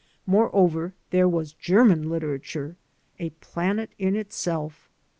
Moreover, there was German literature — ^a planet in itself.